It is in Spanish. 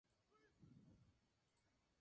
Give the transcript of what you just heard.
Como sultán, tomó el nombre de al-Malik al-Muizz.